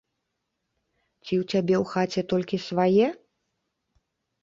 Ці ў цябе ў хаце толькі свае?